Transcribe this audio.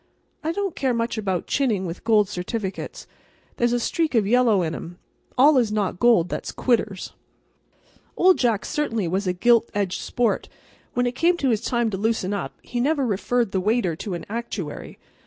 I don't care much about chinning with gold certificates. There's a streak of yellow in 'em. All is not gold that's quitters. Old Jack certainly was a gild edged sport. When it came his time to loosen up he never referred the waiter to an actuary.